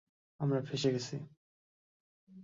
আমরা ফেসে গেছি।